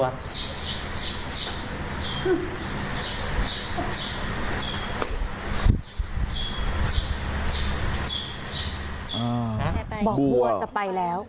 บอกบัวจะไปแล้ว